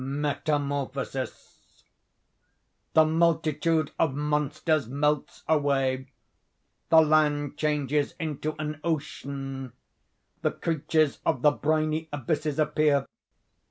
METAMORPHOSIS The multitude of monsters melts away; the land changes into an Ocean; the creatures of the briny abysses appear.